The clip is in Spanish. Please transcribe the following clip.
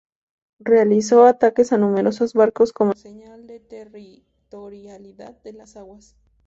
Realizó ataques a numerosos barcos como señal de territorialidad de las aguas.